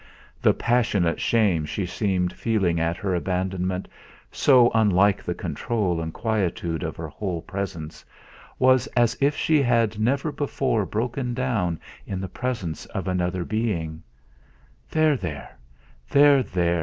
The passionate shame she seemed feeling at her abandonment, so unlike the control and quietude of her whole presence was as if she had never before broken down in the presence of another being. "There, there there, there!"